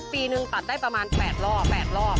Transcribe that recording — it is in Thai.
ปีหนึ่งตัดได้ประมาณแปดรอบแปดรอบ